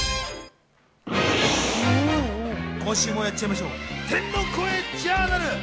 今週もやっちゃいましょう、天の声ジャーナル。